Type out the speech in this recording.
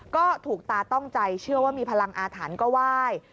ก็ถูกตาต้องใจเชื่อว่ามีพลังอาถรรพ์ก็ไหว้